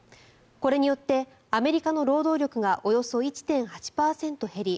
これによってアメリカの労働力がおよそ１．８％減り